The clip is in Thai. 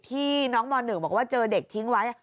ที่น้องม๑บอกว่าเจอเด็กทิ้งไว้